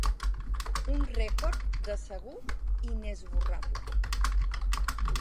Un record, de segur, inesborrable.